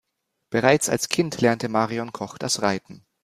Bereits als Kind lernte Marion Koch das Reiten.